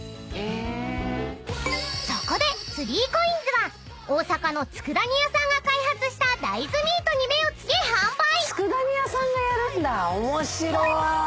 ［そこで３ＣＯＩＮＳは大阪の佃煮屋さんが開発した大豆ミートに目を付け販売］